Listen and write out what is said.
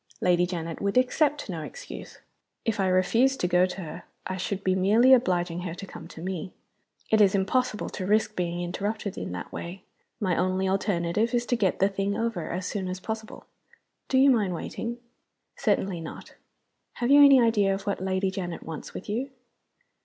Lady Janet would accept no excuse. If I refused to go to her I should be merely obliging her to come to me. It is impossible to risk being interrupted in that way; my only alternative is to get the thing over as soon as possible. Do you mind waiting?" "Certainly not. Have you any idea of what Lady Janet wants with you?"